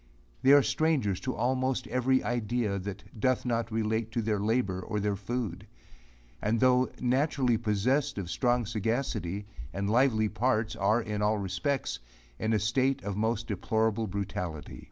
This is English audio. They are strangers to almost every idea, that doth not relate to their labour or their food; and though naturally possessed of strong sagacity, and lively parts, are, in all respects, in a state of most deplorable brutality.